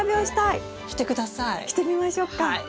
してみましょっか。